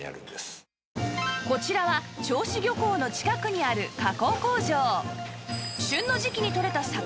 こちらは銚子漁港の近くにある加工工場